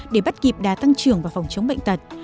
để bắt kịp đá tăng trưởng và phòng chống bệnh tật